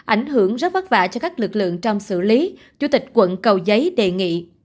ảnh hưởng rất vất vả cho các lực lượng trong xử lý chủ tịch quận cầu giấy đề nghị